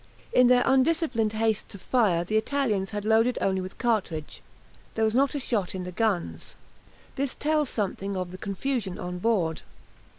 In their undisciplined haste to fire the Italians had loaded only with the cartridge, there was not a shot in the guns. This tells something of the confusion on board.